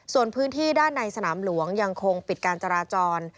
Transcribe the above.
ส่วนพื้นที่ด้านในสนามหลวงยังคงปิดการจราจร